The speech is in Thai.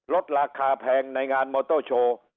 ลดราคาแพงในงานมอเตอร์โชว์